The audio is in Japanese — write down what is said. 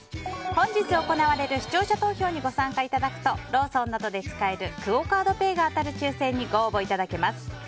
本日行われる視聴者投票にご参加いただくとローソンなどで使えるクオ・カードペイが当たる抽選にご応募いただけます。